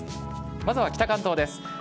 まずは北関東です。